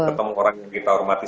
ketemu orang yang kita hormati